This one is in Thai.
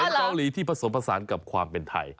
เป็นเกาหลีที่ผสมผสานกับความเป็นไทย